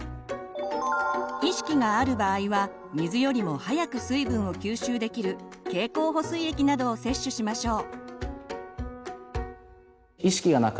意識がある場合は水よりも早く水分を吸収できる経口補水液などを摂取しましょう。